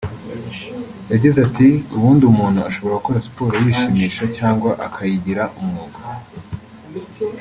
yagize ati “Ubundi umuntu ashobora gukora siporo yishimisha cyangwa akayigira umwuga